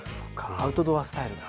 アウトドアスタイルだ。